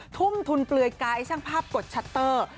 ทุ่มทุนเปลือยกายช่างภาพกดชัตเตอร์